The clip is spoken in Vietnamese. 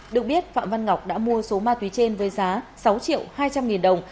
được biết phạm văn ngọc đã mua số ma túy trên với giá sáu triệu hai trăm linh nghìn đồng